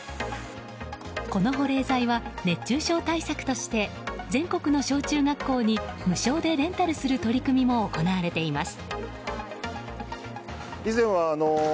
この保冷剤は、熱中症対策として全国の小中学校に無償でレンタルする取り組みも行われています。